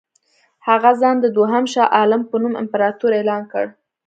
هغه ځان د دوهم شاه عالم په نوم امپراطور اعلان کړ.